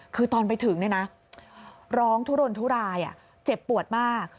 คือตอนไปถึงเนี่ยนะร้องทุรนทุรายเจ็บปวดมาก